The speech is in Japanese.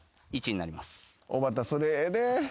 おばたそれええで。